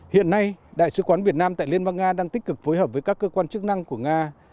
hiện nay đại sứ quán việt nam tại liên bang nga đang tích cực phối hợp với các cơ quan chức năng của nga